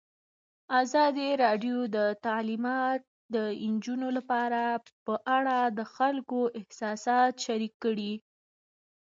ازادي راډیو د تعلیمات د نجونو لپاره په اړه د خلکو احساسات شریک کړي.